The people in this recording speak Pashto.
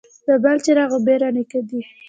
د بلچراغ اوبه رڼې دي